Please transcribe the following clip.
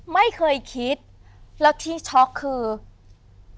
ไม่เคยคิดแล้วที่ช็อกคือ